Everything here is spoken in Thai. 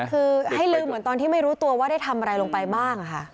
คือให้ลืมเหมือนตอนที่ไม่รู้ตัวว่าได้ทำอะไรลงไปบ้างค่ะ